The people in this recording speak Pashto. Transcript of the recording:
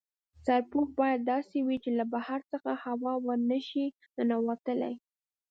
سرپوښ باید داسې وي چې له بهر څخه هوا ور نه شي ننوتلای.